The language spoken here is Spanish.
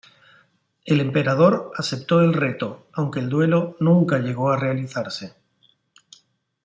El emperador aceptó el reto, aunque el duelo nunca llegó a realizarse.